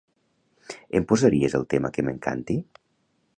Em posaries el tema que m'encanti?